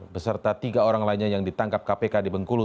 beserta tiga orang lainnya yang ditangkap kpk di bengkulu